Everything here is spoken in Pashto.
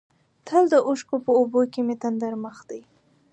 تل د اوښکو په اوبو کې مې تندر مخ دی.